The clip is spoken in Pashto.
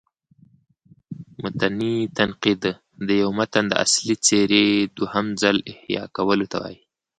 متني تنقید: د یو متن د اصلي څېرې دوهم ځل احیا کولو ته وايي.